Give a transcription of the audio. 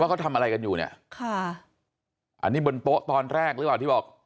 เขาทำอะไรกันอยู่เนี่ยค่ะอันนี้บนโป๊ะตอนแรกหรือเปล่าที่บอก